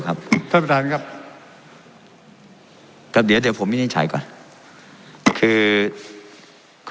ครับท่านประธานครับเดี๋ยวเดี๋ยวผมมินิฉัยก่อนคือขอ